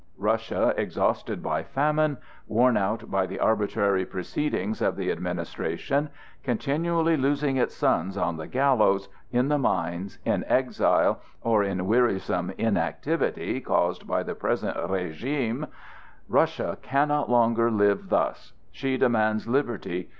Russia, exhausted by famine, worn out by the arbitrary proceedings of the administration, continually losing its sons on the gallows, in the mines, in exile, or in wearisome inactivity caused by the present régime,—Russia cannot longer live thus. She demands liberty.